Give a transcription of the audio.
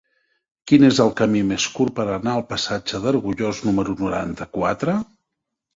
Quin és el camí més curt per anar al passatge d'Argullós número noranta-quatre?